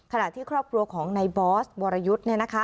ขณะที่ครอบครัวของในบอสวรยุทธ์